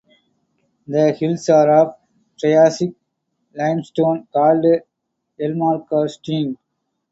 The hills are of a triassic limestone called "Elmkalkstein".